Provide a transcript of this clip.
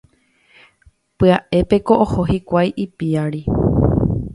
Pya'épeko oho hikuái ipiári.